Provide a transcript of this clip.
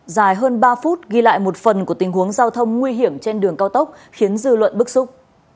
dài hơn ba phút ghi lại một phần của tình huống giao thông nguy hiểm trên đường cao tốc khiến dư luận bức xúc